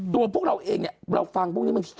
ตัวพวกเราเองเราฟังพวกนี้มันเครียดเนอะ